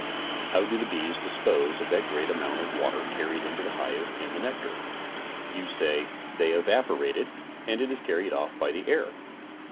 How do the bees dispose of the great amount of water carried into the hive in the nectar? You say: "they evaporate it and it is carried off by the air."